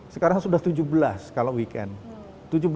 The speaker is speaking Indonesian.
sekarang sudah tujuh belas kalau weekend